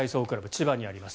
千葉にあります。